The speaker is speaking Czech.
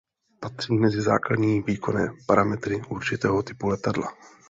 Patří mezi základní výkonové parametry určitého typu letadla.